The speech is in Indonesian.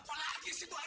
bapak lepas ya